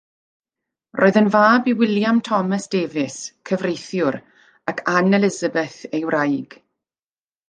Roedd yn fab i William Thomas Davies, cyfreithiwr, ac Anne Elizabeth ei wraig.